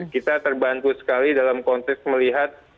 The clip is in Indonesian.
kita terbantu sekali dalam konteks melihat